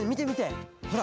ほら。